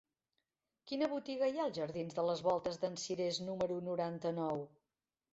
Quina botiga hi ha als jardins de les Voltes d'en Cirés número noranta-nou?